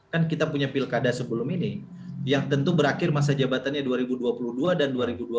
kan kita punya pilkada sebelum ini yang tentu berakhir masa jabatannya dua ribu dua puluh dua dan dua ribu dua puluh